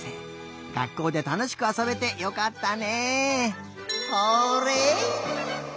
学校でたのしくあそべてよかったね！